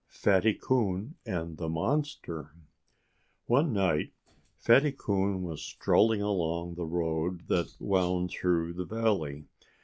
X FATTY COON AND THE MONSTER One night Fatty Coon was strolling along the road that wound through the valley.